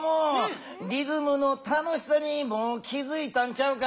リズムの楽しさにもう気づいたんちゃうか？